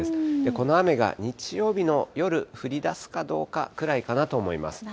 この雨が、日曜日の夜、降りだすかどうかくらいかなと思います。